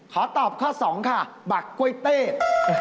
ขอตอบข้อ๒ค่ะบักกล้วยเต้